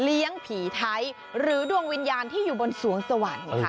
ผีไทยหรือดวงวิญญาณที่อยู่บนสวงสวรรค์ค่ะ